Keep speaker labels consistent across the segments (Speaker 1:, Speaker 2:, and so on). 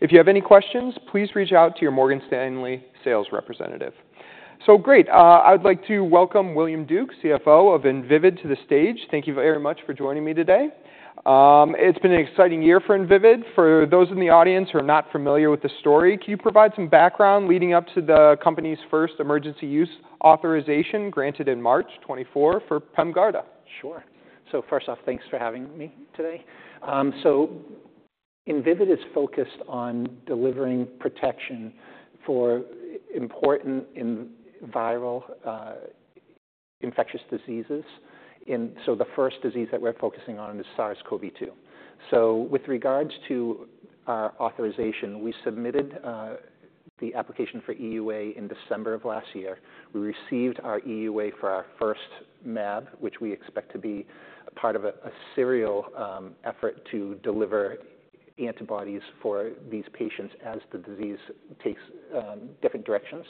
Speaker 1: If you have any questions, please reach out to your Morgan Stanley sales representative. So great, I would like to welcome William Duke, CFO of Invivyd, to the stage. Thank you very much for joining me today. It's been an exciting year for Invivyd. For those in the audience who are not familiar with the story, can you provide some background leading up to the company's first Emergency Use Authorization granted in March 2024 for Pemgarda?
Speaker 2: Sure. So first off, thanks for having me today. So Invivyd is focused on delivering protection for important and viral infectious diseases. And so the first disease that we're focusing on is SARS-CoV-2. So with regards to our authorization, we submitted the application for EUA in December of last year. We received our EUA for our first mAb, which we expect to be a part of a serial effort to deliver antibodies for these patients as the disease takes different directions.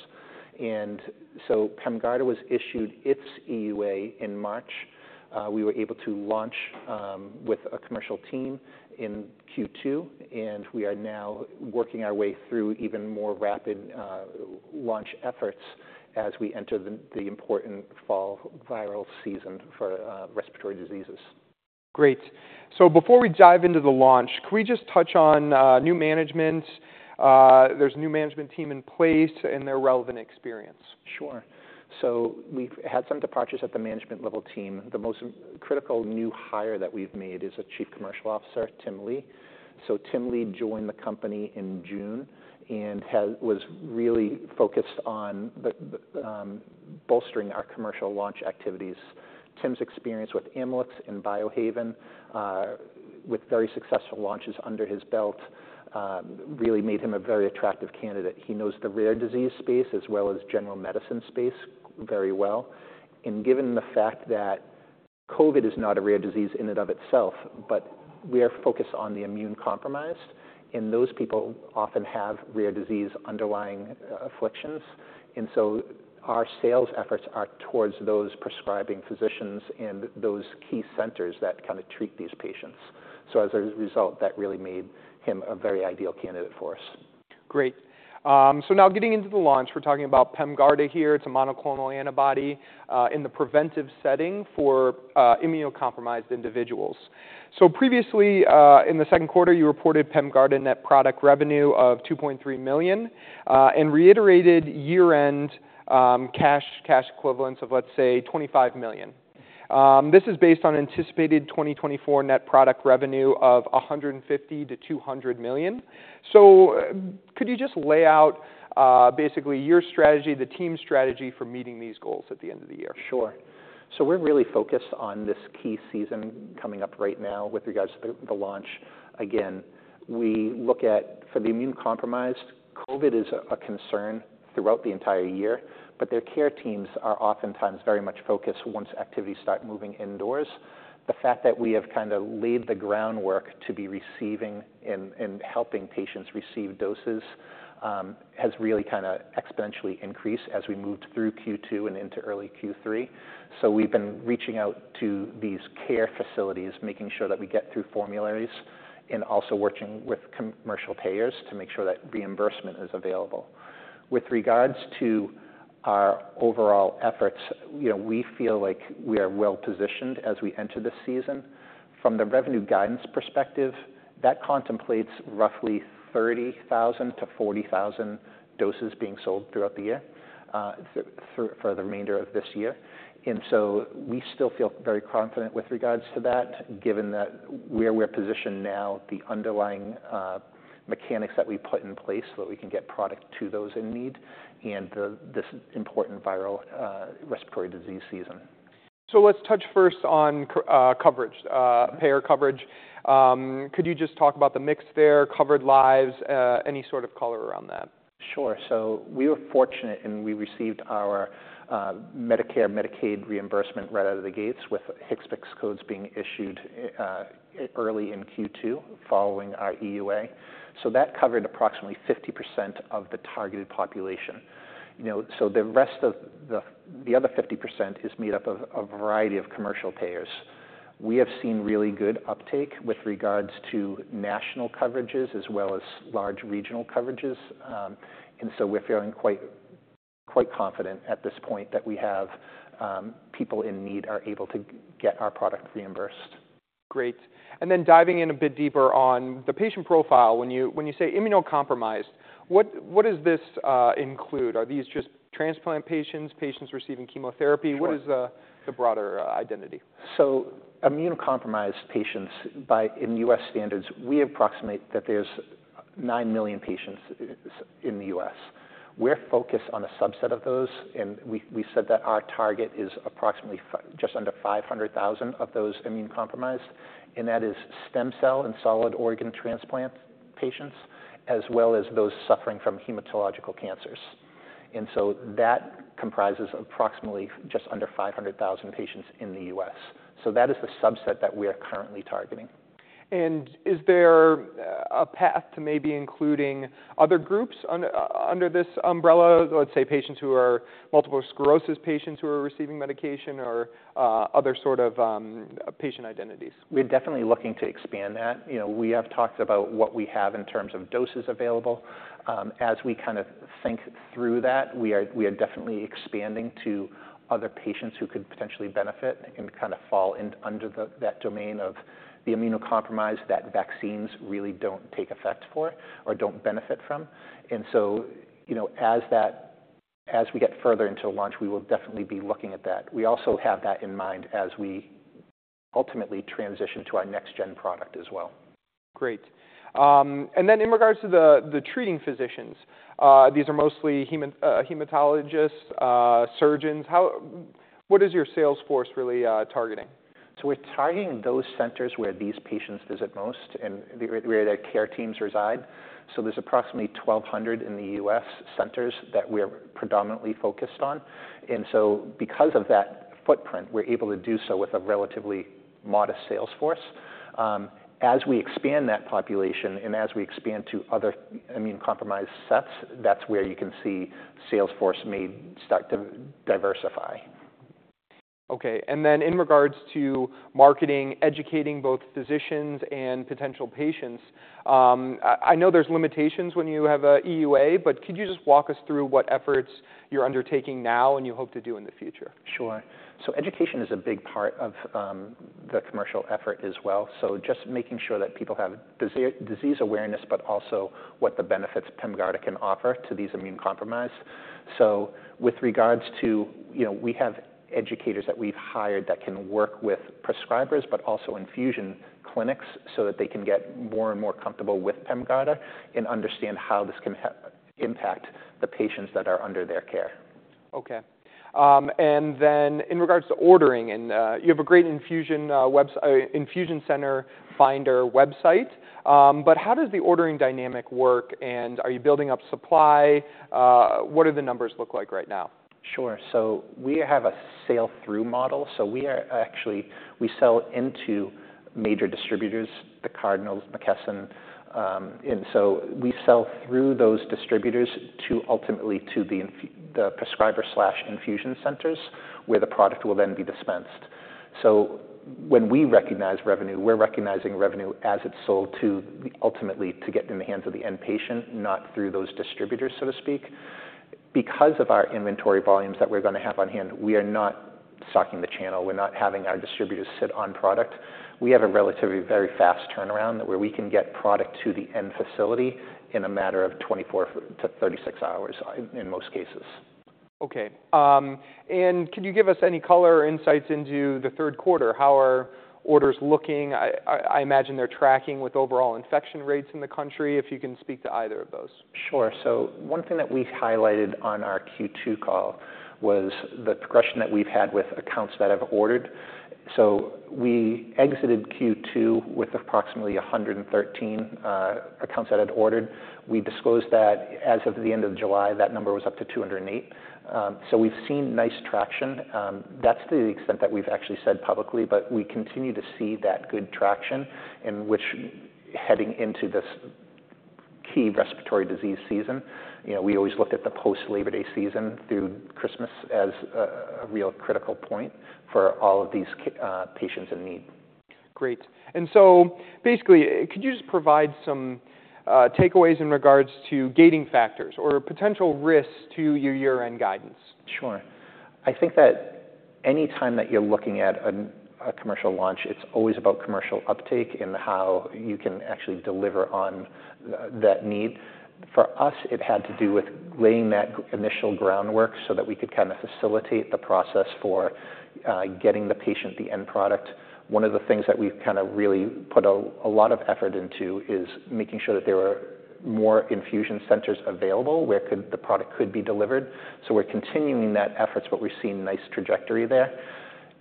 Speaker 2: And so Pemgarda was issued its EUA in March. We were able to launch with a commercial team in Q2, and we are now working our way through even more rapid launch efforts as we enter the important fall viral season for respiratory diseases.
Speaker 1: Great. So before we dive into the launch, can we just touch on new management? There's a new management team in place and their relevant experience.
Speaker 2: Sure. So we've had some departures at the management level team. The most critical new hire that we've made is a Chief Commercial Officer, Tim Lee. So Tim Lee joined the company in June and was really focused on the bolstering our commercial launch activities. Tim's experience with Amylyx and Biohaven with very successful launches under his belt really made him a very attractive candidate. He knows the rare disease space as well as general medicine space very well. And given the fact that COVID is not a rare disease in and of itself, but we are focused on the immunocompromised, and those people often have rare disease underlying afflictions. And so our sales efforts are towards those prescribing physicians and those key centers that kind of treat these patients. So as a result, that really made him a very ideal candidate for us.
Speaker 1: Great. So now getting into the launch, we're talking about Pemgarda here. It's a monoclonal antibody in the preventive setting for immunocompromised individuals. So previously in the second quarter, you reported Pemgarda net product revenue of $2.3 million and reiterated year-end cash and cash equivalents of, let's say, $25 million. This is based on anticipated 2024 net product revenue of $150 million-$200 million. So could you just lay out basically your strategy, the team's strategy for meeting these goals at the end of the year?
Speaker 2: Sure. So we're really focused on this key season coming up right now with regards to the launch. Again, we look at, for the immunocompromised, COVID is a concern throughout the entire year, but their care teams are oftentimes very much focused once activities start moving indoors. The fact that we have kind of laid the groundwork to be receiving and helping patients receive doses has really kind of exponentially increased as we moved through Q2 and into early Q3. So we've been reaching out to these care facilities, making sure that we get through formularies, and also working with commercial payers to make sure that reimbursement is available. With regards to our overall efforts, you know, we feel like we are well positioned as we enter this season. From the revenue guidance perspective, that contemplates roughly 30,000-40,000 doses being sold throughout the year, for the remainder of this year. And so we still feel very confident with regards to that, given that where we're positioned now, the underlying mechanics that we put in place so that we can get product to those in need and this important viral respiratory disease season.
Speaker 1: So let's touch first on coverage, payer coverage. Could you just talk about the mix there, covered lives, any sort of color around that?
Speaker 2: Sure. So we were fortunate, and we received our Medicare, Medicaid reimbursement right out of the gates with HCPCS codes being issued early in Q2, following our EUA. So that covered approximately 50% of the targeted population. You know, so the rest of the other 50% is made up of a variety of commercial payers. We have seen really good uptake with regards to national coverages as well as large regional coverages, and so we're feeling quite confident at this point that we have people in need are able to get our product reimbursed.
Speaker 1: Great. And then diving in a bit deeper on the patient profile, when you say immunocompromised, what does this include? Are these just transplant patients, patients receiving chemotherapy?
Speaker 2: Sure.
Speaker 1: What is the broader identity?
Speaker 2: So immunocompromised patients. In U.S. standards, we approximate that there's nine million patients in the U.S. We're focused on a subset of those, and we said that our target is approximately just under five hundred thousand of those immunocompromised, and that is stem cell and solid organ transplant patients, as well as those suffering from hematological cancers. And so that comprises approximately just under five hundred thousand patients in the U.S. So that is the subset that we are currently targeting.
Speaker 1: And is there a path to maybe including other groups under this umbrella? Let's say, patients who are multiple sclerosis patients who are receiving medication or other sort of patient identities.
Speaker 2: We're definitely looking to expand that. You know, we have talked about what we have in terms of doses available. As we kind of think through that, we are definitely expanding to other patients who could potentially benefit and kind of fall in under the, that domain of the immunocompromised, that vaccines really don't take effect for or don't benefit from. So, you know, as that, as we get further into launch, we will definitely be looking at that. We also have that in mind as we ultimately transition to our next gen product as well.
Speaker 1: Great, and then in regards to the treating physicians, these are mostly hematologists, surgeons. How, what is your sales force really targeting?
Speaker 2: We're targeting those centers where these patients visit most, and where their care teams reside. There's approximately 1,200 U.S. centers that we're predominantly focused on. Because of that footprint, we're able to do so with a relatively modest sales force. As we expand that population and as we expand to other immunocompromised sets, that's where you can see sales force may start to diversify.
Speaker 1: Okay, and then in regards to marketing, educating both physicians and potential patients, I know there's limitations when you have a EUA, but could you just walk us through what efforts you're undertaking now and you hope to do in the future?
Speaker 2: Sure. So education is a big part of the commercial effort as well. So just making sure that people have disease awareness, but also what the benefits Pemgarda can offer to these immunocompromised. So with regards to... You know, we have educators that we've hired that can work with prescribers, but also infusion clinics, so that they can get more and more comfortable with Pemgarda and understand how this can impact the patients that are under their care.
Speaker 1: Okay. And then in regards to ordering, you have a great infusion center finder website, but how does the ordering dynamic work, and are you building up supply? What do the numbers look like right now?
Speaker 2: Sure. So we have a sell-through model, so we are actually we sell into major distributors, the Cardinals, McKesson. And so we sell through those distributors to ultimately to the prescriber slash infusion centers, where the product will then be dispensed. So when we recognize revenue, we're recognizing revenue as it's sold to ultimately to get in the hands of the end patient, not through those distributors, so to speak. Because of our inventory volumes that we're gonna have on hand, we are not stocking the channel. We're not having our distributors sit on product. We have a relatively very fast turnaround, where we can get product to the end facility in a matter of twenty-four to thirty-six hours, in most cases.
Speaker 1: Okay. And could you give us any color or insights into the third quarter? How are orders looking? I imagine they're tracking with overall infection rates in the country, if you can speak to either of those.
Speaker 2: Sure. So one thing that we highlighted on our Q2 call was the progression that we've had with accounts that have ordered. So we exited Q2 with approximately 113 accounts that had ordered. We disclosed that as of the end of July, that number was up to 208. So we've seen nice traction. That's to the extent that we've actually said publicly, but we continue to see that good traction in which heading into this key respiratory disease season, you know, we always looked at the post-Labor Day season through Christmas as a real critical point for all of these key patients in need.
Speaker 1: Great. And so basically, could you just provide some takeaways in regards to gating factors or potential risks to your year-end guidance?
Speaker 2: Sure. I think that any time that you're looking at a commercial launch, it's always about commercial uptake and how you can actually deliver on that need. For us, it had to do with laying that initial groundwork so that we could kind of facilitate the process for getting the patient the end product. One of the things that we've kind of really put a lot of effort into is making sure that there are more infusion centers available, where the product could be delivered. So we're continuing that effort, but we're seeing nice trajectory there.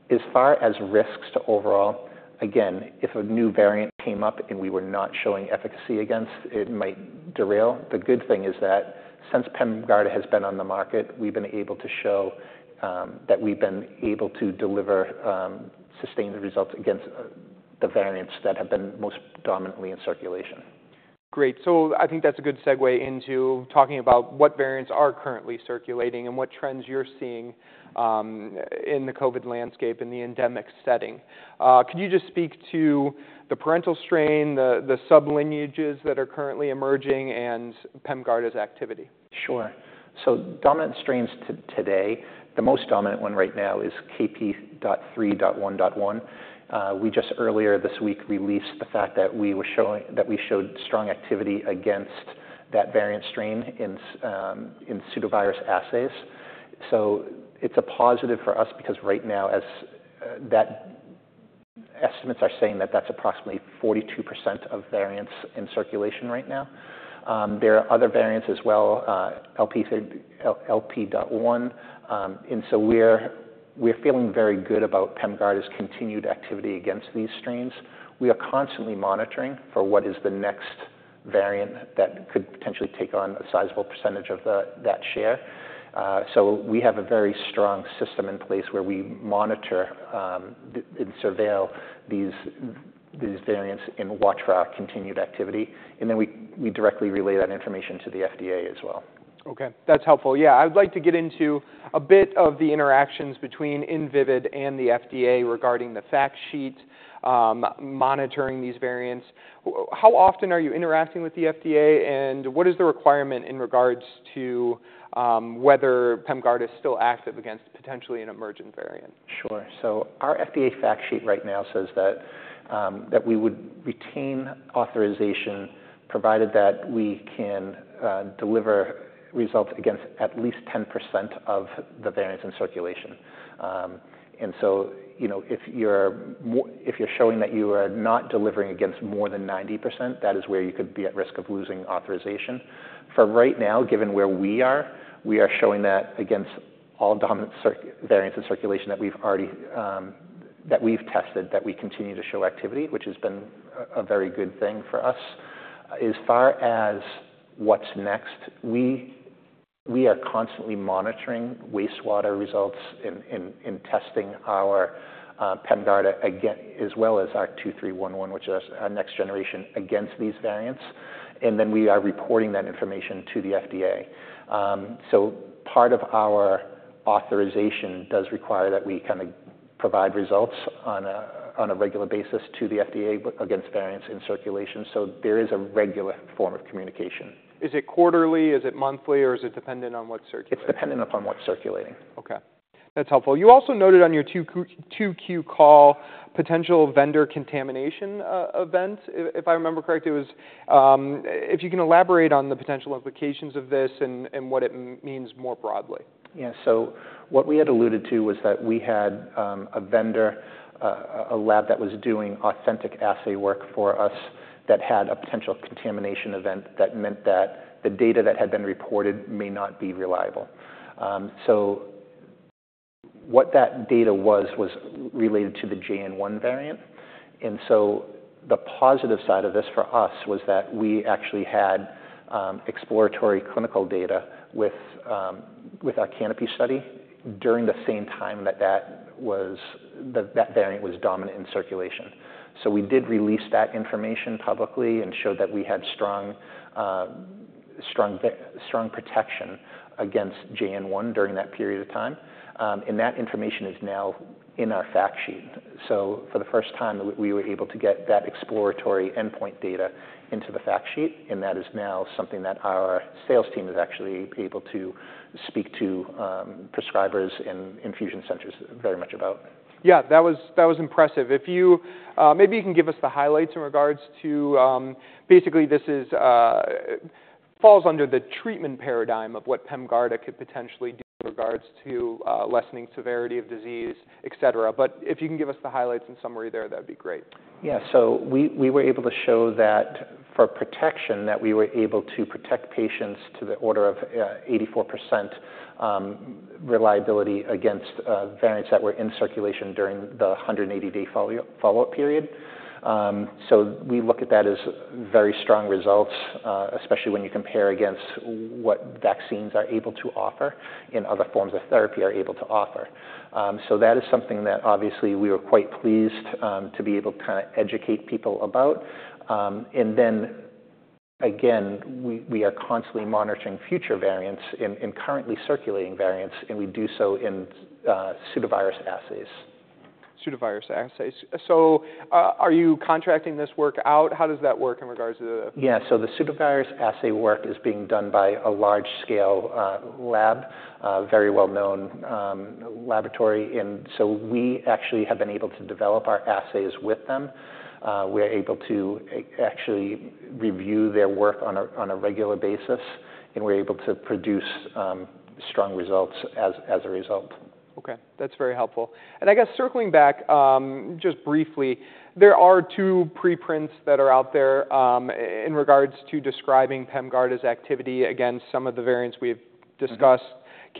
Speaker 2: As far as risks to overall, again, if a new variant came up and we were not showing efficacy against it, it might derail. The good thing is that since Pemgarda has been on the market, we've been able to show that we've been able to deliver sustained results against the variants that have been most dominantly in circulation.
Speaker 1: Great. So I think that's a good segue into talking about what variants are currently circulating and what trends you're seeing in the COVID landscape, in the endemic setting. Could you just speak to the parental strain, the sublineages that are currently emerging and Pemgarda's activity?
Speaker 2: Sure. So dominant strains today, the most dominant one right now is KP.3.1.1. We just earlier this week released the fact that we showed strong activity against that variant strain in pseudovirus assays. So it's a positive for us because right now, that estimates are saying that that's approximately 42% of variants in circulation right now. There are other variants as well, LB.1. And so we're feeling very good about Pemgarda's continued activity against these strains. We are constantly monitoring for what is the next variant that could potentially take on a sizable percentage of that share. So we have a very strong system in place where we monitor and surveil these variants and watch for our continued activity, and then we directly relay that information to the FDA as well.
Speaker 1: Okay, that's helpful. Yeah, I'd like to get into a bit of the interactions between Invivyd and the FDA regarding the fact sheet, monitoring these variants. How often are you interacting with the FDA, and what is the requirement in regards to whether Pemgarda is still active against potentially an emergent variant?
Speaker 2: Sure. So our FDA fact sheet right now says that we would retain authorization, provided that we can deliver results against at least 10% of the variants in circulation. And so, you know, if you're showing that you are not delivering against more than 90%, that is where you could be at risk of losing authorization. For right now, given where we are, we are showing that against all dominant variants in circulation that we've already tested, that we continue to show activity, which has been a very good thing for us. As far as what's next, we are constantly monitoring wastewater results in testing our Pemgarda as well as our 2311, which is our next generation against these variants, and then we are reporting that information to the FDA. So part of our authorization does require that we kind of provide results on a regular basis to the FDA, but against variants in circulation, so there is a regular form of communication.
Speaker 1: Is it quarterly, is it monthly, or is it dependent on what's circulating?
Speaker 2: It's dependent upon what's circulating.
Speaker 1: Okay, that's helpful. You also noted on your 2Q call potential vendor contamination event, if I remember correctly. If you can elaborate on the potential implications of this and what it means more broadly.
Speaker 2: Yeah. So what we had alluded to was that we had a vendor, a lab that was doing authentic assay work for us that had a potential contamination event. That meant that the data that had been reported may not be reliable. So what that data was was related to the JN.1 variant. And so the positive side of this for us was that we actually had exploratory clinical data with our CANOPY study during the same time that that variant was dominant in circulation. So we did release that information publicly and showed that we had strong protection against JN.1 during that period of time and that information is now in our fact sheet. For the first time, we were able to get that exploratory endpoint data into the fact sheet, and that is now something that our sales team is actually able to speak to, prescribers in infusion centers very much about.
Speaker 1: Yeah, that was, that was impressive. If you maybe you can give us the highlights in regards to, basically this is falls under the treatment paradigm of what Pemgarda could potentially do in regards to, lessening severity of disease, et cetera. But if you can give us the highlights and summary there, that'd be great.
Speaker 2: Yeah, so we were able to show that for protection, that we were able to protect patients to the order of 84% reliability against variants that were in circulation during the 180-day follow-up period. So we look at that as very strong results, especially when you compare against what vaccines are able to offer and other forms of therapy are able to offer. So that is something that obviously we were quite pleased to be able to kind of educate people about. And then again, we are constantly monitoring future variants and currently circulating variants, and we do so in pseudovirus assays.
Speaker 1: Pseudovirus assays. So, are you contracting this work out? How does that work in regards to the-
Speaker 2: Yeah, so the pseudovirus assay work is being done by a large scale lab, very well-known laboratory, and so we actually have been able to develop our assays with them. We're able to actually review their work on a regular basis, and we're able to produce strong results as a result.
Speaker 1: Okay, that's very helpful. And I guess circling back, just briefly, there are two preprints that are out there, in regards to describing Pemgarda's activity against some of the variants we've discussed,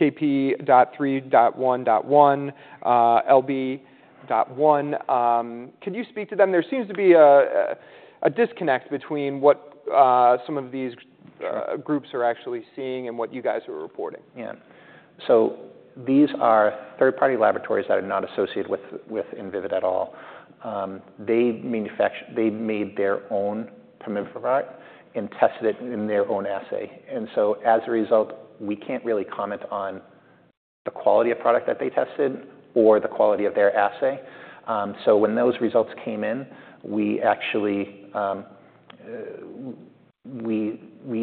Speaker 1: KP.3.1.1, LB.1. Could you speak to them? There seems to be a disconnect between what some of these groups are actually seeing and what you guys are reporting.
Speaker 2: Yeah. So these are third-party laboratories that are not associated with Invivyd at all. They made their own pemivibart and tested it in their own assay. And so as a result, we can't really comment on the quality of product that they tested or the quality of their assay. So when those results came in, we actually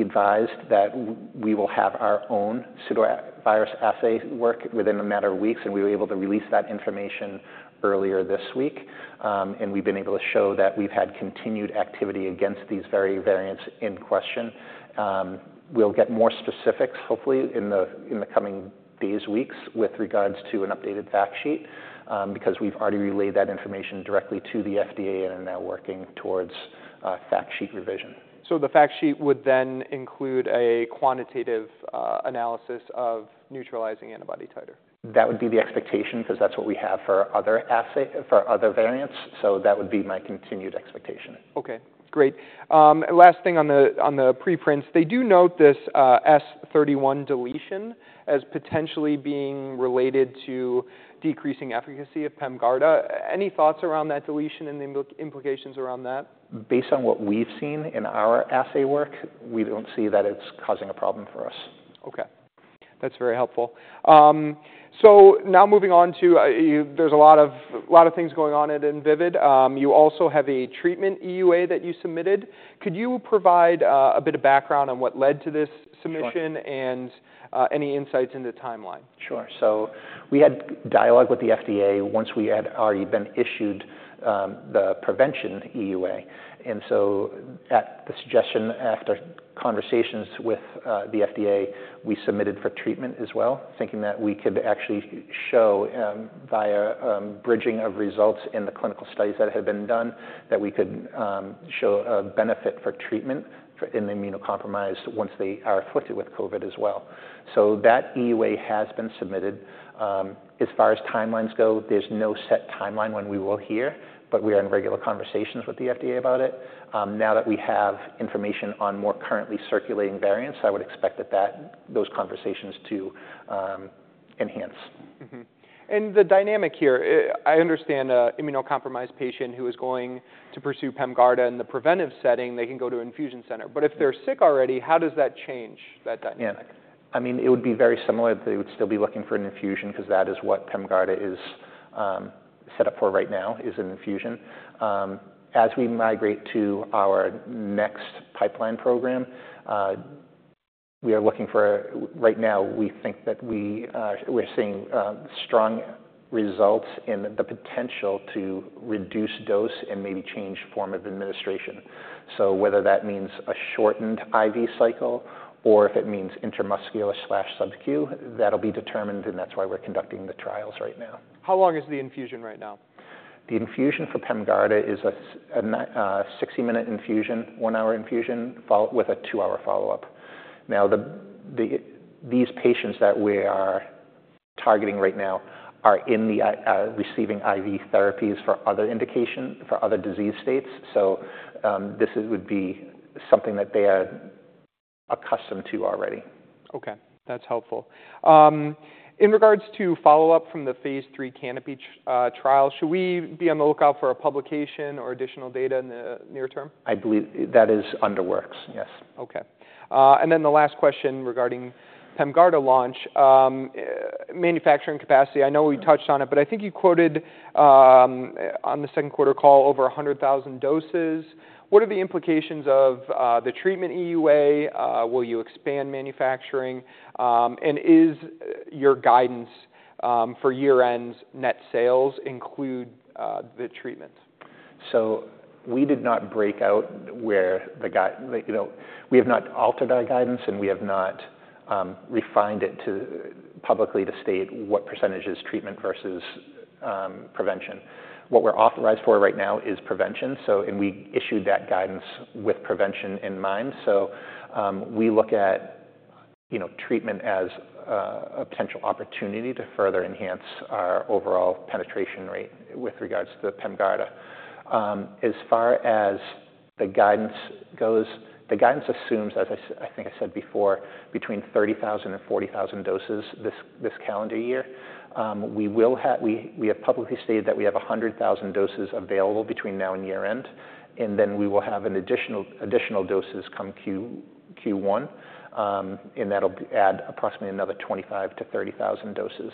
Speaker 2: advised that we will have our own pseudovirus assay work within a matter of weeks, and we were able to release that information earlier this week. And we've been able to show that we've had continued activity against these very variants in question. We'll get more specifics, hopefully, in the coming days, weeks, with regards to an updated fact sheet, because we've already relayed that information directly to the FDA, and are now working towards a fact sheet revision.
Speaker 1: So the fact sheet would then include a quantitative analysis of neutralizing antibody titer?
Speaker 2: That would be the expectation, 'cause that's what we have for our other assay, for other variants, so that would be my continued expectation.
Speaker 1: Okay, great. Last thing on the preprints. They do note this S31 deletion as potentially being related to decreasing efficacy of Pemgarda. Any thoughts around that deletion and the implications around that?
Speaker 2: Based on what we've seen in our assay work, we don't see that it's causing a problem for us.
Speaker 1: Okay. That's very helpful. So now moving on to you. There's a lot of things going on at Invivyd. You also have a treatment EUA that you submitted. Could you provide a bit of background on what led to this submission?
Speaker 2: Sure.
Speaker 1: and, any insights into the timeline?
Speaker 2: Sure. So we had dialogue with the FDA once we had already been issued, the prevention EUA. And so at the suggestion, after conversations with, the FDA, we submitted for treatment as well, thinking that we could actually show, via, bridging of results in the clinical studies that had been done, that we could, show a benefit for treatment for in the immunocompromised once they are afflicted with COVID as well. So that EUA has been submitted. As far as timelines go, there's no set timeline when we will hear, but we are in regular conversations with the FDA about it. Now that we have information on more currently circulating variants, I would expect that those conversations to enhance.
Speaker 1: Mm-hmm, and the dynamic here, I understand an immunocompromised patient who is going to pursue Pemgarda in the preventive setting, they can go to infusion center. But if they're sick already, how does that change that dynamic?
Speaker 2: Yeah. I mean, it would be very similar. They would still be looking for an infusion, 'cause that is what Pemgarda is set up for right now, is an infusion. As we migrate to our next pipeline program, we are looking for... right now, we think that we, we're seeing strong results in the potential to reduce dose and maybe change form of administration. So whether that means a shortened IV cycle or if it means intramuscular/subq, that'll be determined, and that's why we're conducting the trials right now.
Speaker 1: How long is the infusion right now?
Speaker 2: The infusion for Pemgarda is a sixty-minute infusion, one-hour infusion, followed with a two-hour follow-up. Now, these patients that we are targeting right now are immunocompromised, receiving IV therapies for other indications, for other disease states, so this is would be something that they are accustomed to already.
Speaker 1: Okay, that's helpful. In regards to follow-up from the phase 3 CANOPY trial, should we be on the lookout for a publication or additional data in the near term?
Speaker 2: I believe that is underway, yes.
Speaker 1: Okay. And then the last question regarding Pemgarda launch. Manufacturing capacity, I know we touched on it, but I think you quoted on the second quarter call over a hundred thousand doses. What are the implications of the treatment EUA? Will you expand manufacturing? And is your guidance for year-end's net sales include the treatments?
Speaker 2: So we did not break out where the you know, we have not altered our guidance, and we have not refined it publicly to state what percentage is treatment versus prevention. What we're authorized for right now is prevention, so and we issued that guidance with prevention in mind. So we look at you know, treatment as a potential opportunity to further enhance our overall penetration rate with regards to the Pemgarda. As far as the guidance goes, the guidance assumes, as I think I said before, between thirty thousand and forty thousand doses this calendar year. We have publicly stated that we have a hundred thousand doses available between now and year-end, and then we will have an additional doses come Q1. And that'll add approximately another 25-30 thousand doses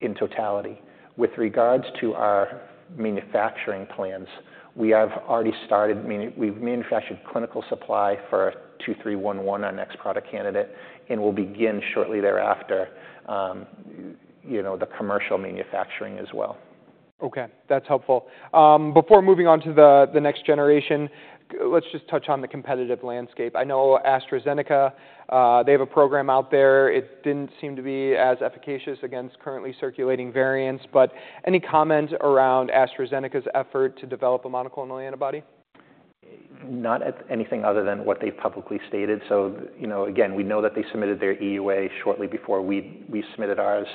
Speaker 2: in totality. With regards to our manufacturing plans, we have already manufactured clinical supply for two three one one, our next product candidate, and we'll begin shortly thereafter, you know, the commercial manufacturing as well.
Speaker 1: Okay, that's helpful. Before moving on to the next generation, let's just touch on the competitive landscape. I know AstraZeneca, they have a program out there. It didn't seem to be as efficacious against currently circulating variants, but any comment around AstraZeneca's effort to develop a monoclonal antibody?
Speaker 2: Not at anything other than what they've publicly stated. So, you know, again, we know that they submitted their EUA shortly before we submitted ours.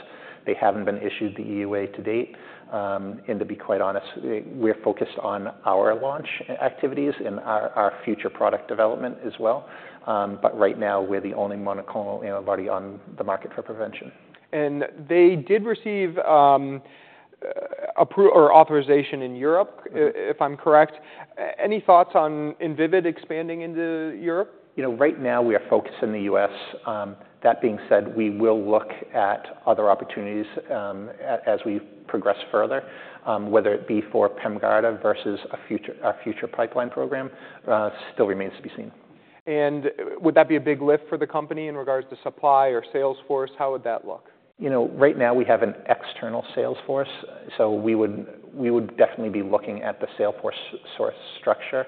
Speaker 2: They haven't been issued the EUA to date. And to be quite honest, we're focused on our launch activities and our future product development as well. But right now, we're the only monoclonal antibody on the market for prevention.
Speaker 1: And they did receive approval or authorization in Europe.
Speaker 2: Mm-hmm...
Speaker 1: if I'm correct. Any thoughts on Invivyd expanding into Europe?
Speaker 2: You know, right now we are focused in the U.S. That being said, we will look at other opportunities, as we progress further, whether it be for Pemgarda versus a future pipeline program, still remains to be seen.
Speaker 1: Would that be a big lift for the company in regards to supply or sales force? How would that look?
Speaker 2: You know, right now we have an external sales force, so we would definitely be looking at the sales force size structure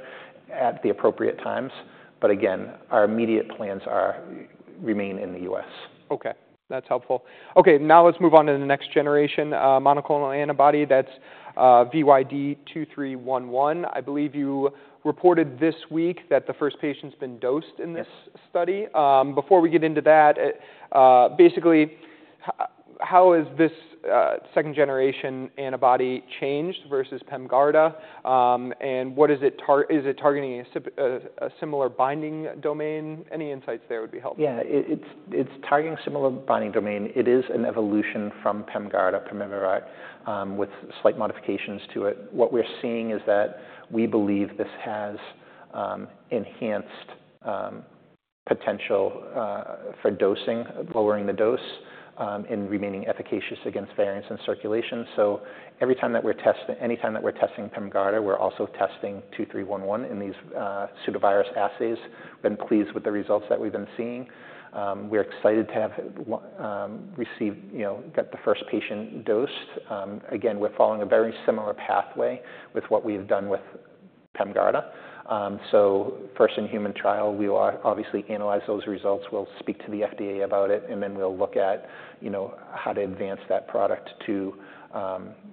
Speaker 2: at the appropriate times. But again, our immediate plans are remain in the U.S.
Speaker 1: Okay, that's helpful. Okay, now let's move on to the next generation, monoclonal antibody. That's VYD-2311. I believe you reported this week that the first patient's been dosed in this-
Speaker 2: Yes
Speaker 1: - study. Before we get into that, basically, how is this second generation antibody changed versus Pemgarda? And what is it targeting? Is it targeting a similar binding domain? Any insights there would be helpful.
Speaker 2: Yeah, it's targeting a similar binding domain. It is an evolution from Pemgarda, Pemivibart, with slight modifications to it. What we're seeing is that we believe this has enhanced potential for dosing, lowering the dose, and remaining efficacious against variants in circulation. So every time that we're testing Pemgarda, we're also testing 2311 in these pseudovirus assays. We've been pleased with the results that we've been seeing. We're excited to have received, you know, get the first patient dosed. Again, we're following a very similar pathway with what we've done with Pemgarda. So first-in-human trial, we will obviously analyze those results. We'll speak to the FDA about it, and then we'll look at, you know, how to advance that product to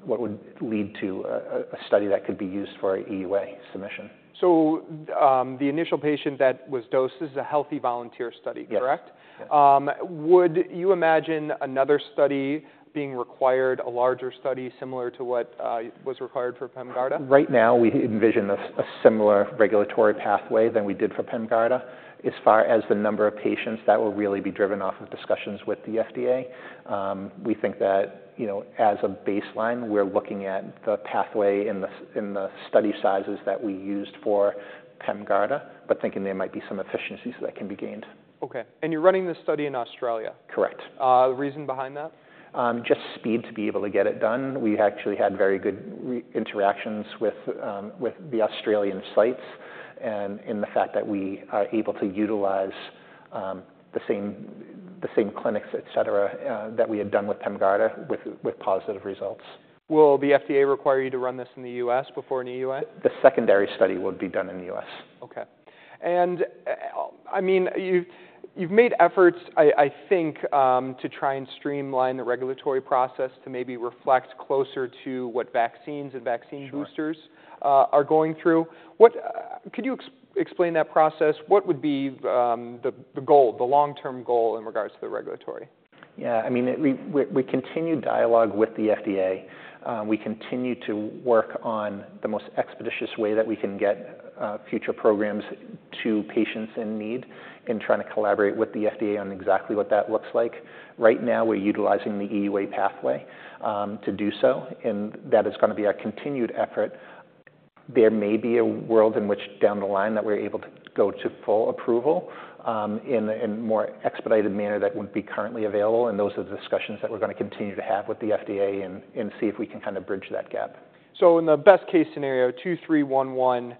Speaker 2: what would lead to a study that could be used for an EUA submission.
Speaker 1: The initial patient that was dosed, this is a healthy volunteer study, correct?
Speaker 2: Yes. Yes.
Speaker 1: Would you imagine another study being required, a larger study, similar to what was required for Pemgarda?
Speaker 2: Right now, we envision a similar regulatory pathway than we did for Pemgarda. As far as the number of patients, that will really be driven off of discussions with the FDA. We think that, you know, as a baseline, we're looking at the pathway and the study sizes that we used for Pemgarda, but thinking there might be some efficiencies that can be gained.
Speaker 1: Okay, and you're running this study in Australia?
Speaker 2: Correct.
Speaker 1: The reason behind that?
Speaker 2: Just speed to be able to get it done. We actually had very good interactions with the Australian sites, and the fact that we are able to utilize the same clinics, et cetera, that we had done with Pemgarda, with positive results.
Speaker 1: Will the FDA require you to run this in the U.S. before an EUA?
Speaker 2: The secondary study will be done in the U.S.
Speaker 1: Okay. And, I mean, you've made efforts, I think, to try and streamline the regulatory process to maybe reflect closer to what vaccines and vaccine-
Speaker 2: Sure
Speaker 1: - boosters are going through. What could you explain that process? What would be the goal, the long-term goal in regards to the regulatory?
Speaker 2: Yeah, I mean, we continue dialogue with the FDA. We continue to work on the most expeditious way that we can get future programs to patients in need, and trying to collaborate with the FDA on exactly what that looks like. Right now, we're utilizing the EUA pathway to do so, and that is gonna be a continued effort. There may be a world in which, down the line, that we're able to go to full approval in a more expedited manner that would be currently available, and those are the discussions that we're gonna continue to have with the FDA and see if we can kind of bridge that gap.
Speaker 1: In the best case scenario, two-three-one-one,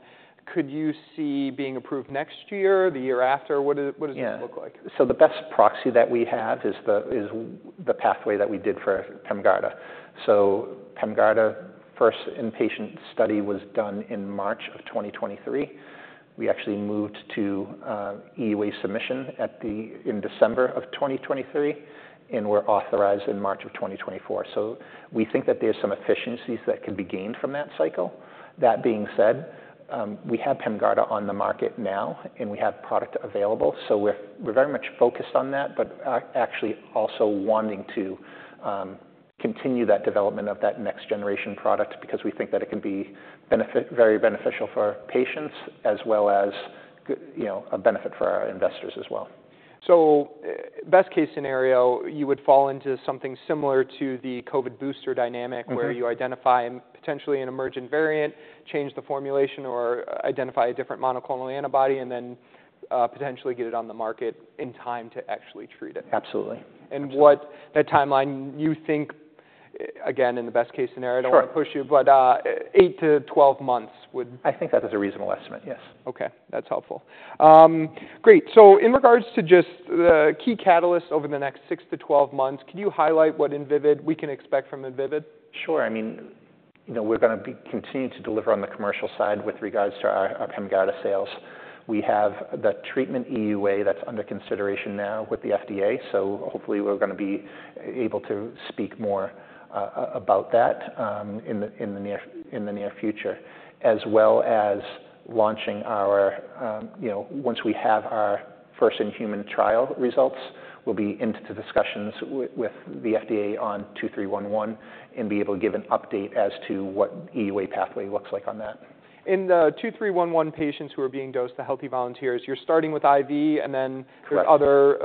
Speaker 1: could you see being approved next year, the year after? What does it look like?
Speaker 2: Yeah. So the best proxy that we have is the pathway that we did for Pemgarda. So Pemgarda, first in-patient study was done in March of 2023. We actually moved to EUA submission in December of 2023, and were authorized in March of 2024. So we think that there's some efficiencies that can be gained from that cycle. That being said, we have Pemgarda on the market now, and we have product available, so we're very much focused on that, but actually also wanting to continue that development of that next generation product, because we think that it can be very beneficial for our patients as well as you know, a benefit for our investors as well.
Speaker 1: So, best case scenario, you would fall into something similar to the COVID booster dynamic-
Speaker 2: Mm-hmm
Speaker 1: - where you identify potentially an emergent variant, change the formulation or identify a different monoclonal antibody, and then, potentially get it on the market in time to actually treat it?
Speaker 2: Absolutely.
Speaker 1: And what the timeline you think, again, in the best case scenario?
Speaker 2: Sure...
Speaker 1: I don't want to push you, but, eight to 12 months would-
Speaker 2: I think that is a reasonable estimate, yes.
Speaker 1: Okay, that's helpful. Great, so in regards to just the key catalysts over the next six to twelve months, can you highlight what Invivyd... we can expect from Invivyd?
Speaker 2: Sure, I mean, you know, we're gonna be continuing to deliver on the commercial side with regards to our Pemgarda sales. We have the treatment EUA that's under consideration now with the FDA, so hopefully, we're gonna be able to speak more about that in the near future. As well as launching our, you know, once we have our first in-human trial results, we'll be into discussions with the FDA on two-three-one-one, and be able to give an update as to what EUA pathway looks like on that.
Speaker 1: In the VYD-2311 patients who are being dosed to healthy volunteers, you're starting with IV, and then-
Speaker 2: Correct
Speaker 1: - Other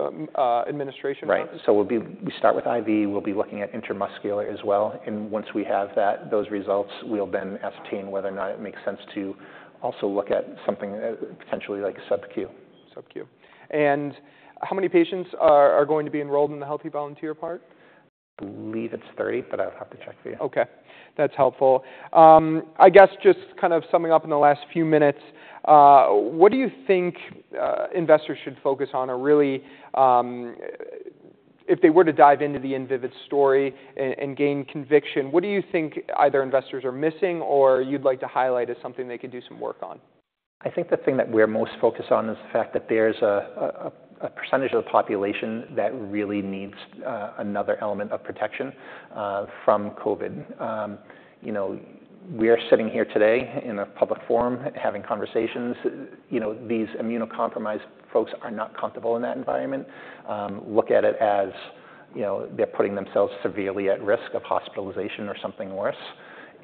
Speaker 1: administration routes?
Speaker 2: Right, so we start with IV. We'll be looking at intramuscular as well, and once we have that, those results, we'll then ascertain whether or not it makes sense to also look at something, potentially like subQ.
Speaker 1: SubQ. And how many patients are going to be enrolled in the healthy volunteer part?
Speaker 2: I believe it's 30, but I'd have to check for you.
Speaker 1: Okay, that's helpful. I guess just kind of summing up in the last few minutes, what do you think investors should focus on or really, if they were to dive into the Invivyd story and gain conviction, what do you think either investors are missing or you'd like to highlight as something they could do some work on?
Speaker 2: I think the thing that we're most focused on is the fact that there's a percentage of the population that really needs another element of protection from COVID. You know, we are sitting here today in a public forum, having conversations. You know, these immunocompromised folks are not comfortable in that environment. Look at it as, you know, they're putting themselves severely at risk of hospitalization or something worse,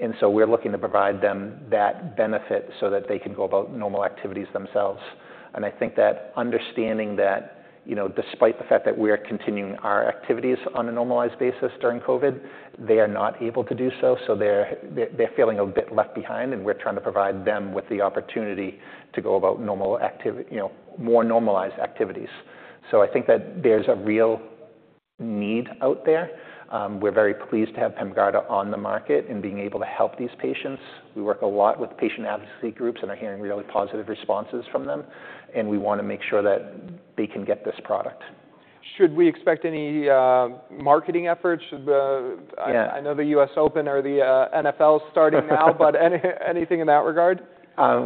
Speaker 2: and so we're looking to provide them that benefit so that they can go about normal activities themselves, and I think that understanding that, you know, despite the fact that we're continuing our activities on a normalized basis during COVID, they are not able to do so, so they're feeling a bit left behind, and we're trying to provide them with the opportunity to go about normal activities, you know, more normalized activities. So I think that there's a real need out there. We're very pleased to have Pemgarda on the market and being able to help these patients. We work a lot with patient advocacy groups and are hearing really positive responses from them, and we wanna make sure that they can get this product.
Speaker 1: Should we expect any, marketing efforts? Should the-
Speaker 2: Yeah.
Speaker 1: I know the U.S. Open or the NFL is starting now, but anything in that regard?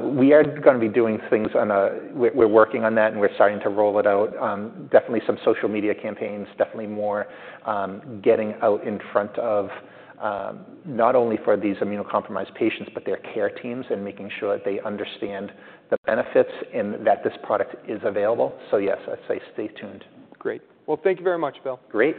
Speaker 2: We are gonna be doing things on a... We're working on that, and we're starting to roll it out. Definitely some social media campaigns, definitely more getting out in front of not only for these immunocompromised patients, but their care teams, and making sure they understand the benefits and that this product is available. So yes, I'd say stay tuned.
Speaker 1: Great. Well, thank you very much, Bill.
Speaker 2: Great.